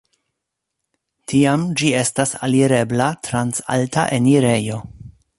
Tiam ĝi estas alirebla trans alta enirejo.